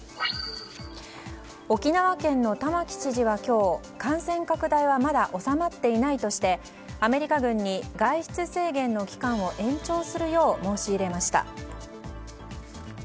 沖縄県の玉城知事は今日感染拡大はまだ収まっていないとしてアメリカ軍に外出制限の期間を延長するよう申し入れました。